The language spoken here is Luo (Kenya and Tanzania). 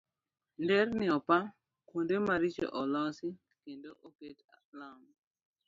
Nderni opa, kuonde maricho olosi kendo oket lam.